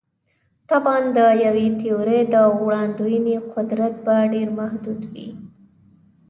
طبعاً د یوې تیورۍ د وړاندوینې قدرت به ډېر محدود وي.